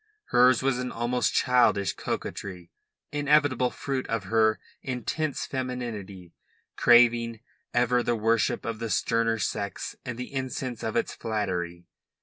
Hers was an almost childish coquetry, inevitable fruit of her intense femininity, craving ever the worship of the sterner sex and the incense of its flattery.